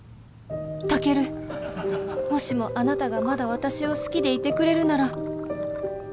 タケルもしもあなたがまだ私を好きでいてくれるなら。